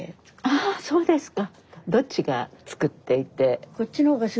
ああそうですか。